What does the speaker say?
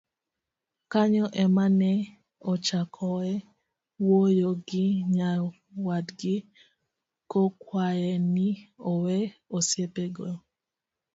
Kanyo ema ne ochakoe wuoyo gi nyawadgi, kokwaye ni owe osiepenego.